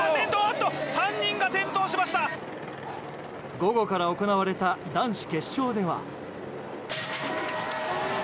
午後から行われた男子決勝では。